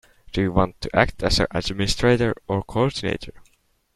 Do you want to act as administrator or coordinator?